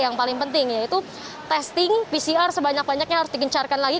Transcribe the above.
yang paling penting yaitu testing pcr sebanyak banyaknya harus digencarkan lagi